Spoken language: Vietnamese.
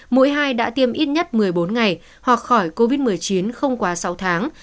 mỗi hai đã tiêm ít nhất một mươi bốn ngày hoặc khỏi covid một mươi chín không quá sáu tháng